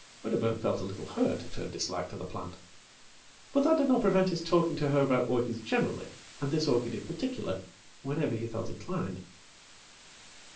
Wedderburn felt a little hurt at her dislike to the plant. But that didnot prevent his talking to her about orchids generally, and this orchid inparticular, whenever he felt inclined."